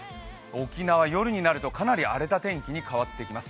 沖縄、夜になるとかなり荒れた天気に変わってきます。